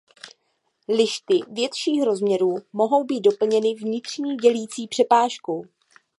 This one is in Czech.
Lišty větších rozměrů mohou být doplněny vnitřní dělící přepážkou.